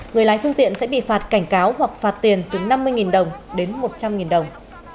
người lái phương tiện sẽ bị phạt cảnh cáo hoặc phạt tiền từ năm mươi đồng đến một trăm linh đồng